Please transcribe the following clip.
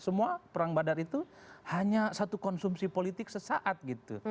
semua perang badar itu hanya satu konsumsi politik sesaat gitu